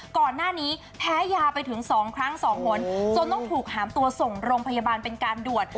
ก่อนหน้านี้แพ้ยาไปถึง๒ครั้ง๒หนจนต้องถูกหามตัวส่งโรงพยาบาลเป็นการด่วน